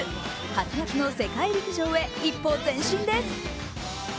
８月の世界陸上へ一歩前進です。